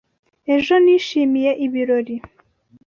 Ejo nishimiye ibirori.